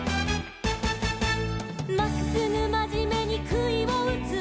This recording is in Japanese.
「まっすぐまじめにくいをうつ」